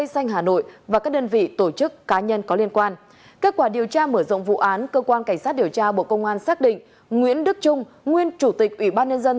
xin kính chào quý vị khán giả của bản tin